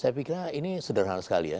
saya pikir ini sederhana sekali ya